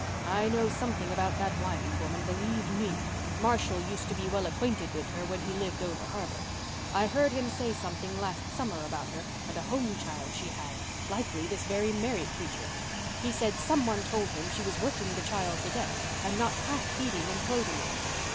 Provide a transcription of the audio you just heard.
"I know something about that Wiley woman, believe me. Marshall used to be well acquainted with her when he lived over harbour. I heard him say something last summer about her and a home child she had—likely this very Mary creature. He said some one told him she was working the child to death and not half feeding and clothing it.